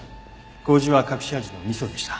麹は隠し味の味噌でした。